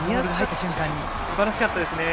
すばらしかったですね。